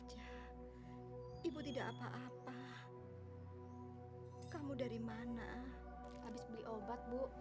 kalau bisa jangan sampai terlambat